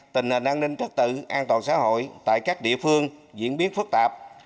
tình hình an ninh trật tự an toàn xã hội tại các địa phương diễn biến phức tạp